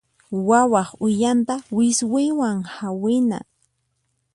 Wawaq uyanta wiswiwan hawina.